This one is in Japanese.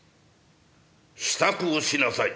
支度をしなさい」。